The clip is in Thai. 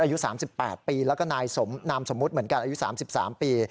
อายุ๓๘ปีแล้วก็นายสมนามสมมุติเหมือนกันอายุ๓๓ปี